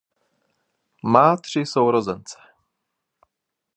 Má tři sourozence.